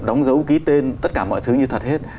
đóng dấu ký tên tất cả mọi thứ như thật hết